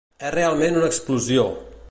És realment una explosió!